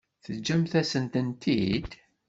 Teǧǧam-asent-tent-id?